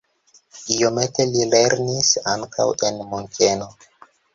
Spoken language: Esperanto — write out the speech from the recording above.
Iomete li lernis ankaŭ en Munkeno.